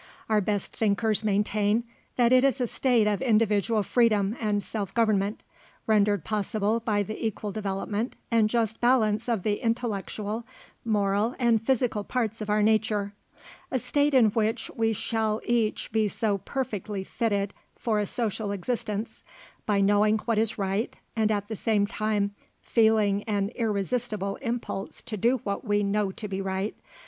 Our best thinkers maintain, that it is a state of individual freedom and self government, rendered possible by the equal development and just balance of the intellectual, moral, and physical parts of our nature, a state in which we shall each be so perfectly fitted for a social existence, by knowing what is right, and at the same time feeling an irresistible impulse to do what we know to be right.